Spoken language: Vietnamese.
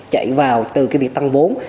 chạy vào từ cái việc tăng vốn